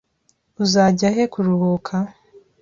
Uzajya he kuruhuka?